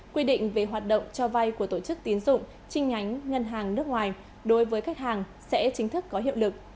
quy định về hoạt động cho vay của tổ chức tiến dụng trinh nhánh ngân hàng nước ngoài đối với khách hàng sẽ chính thức có hiệu lực